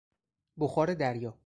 بخار دریا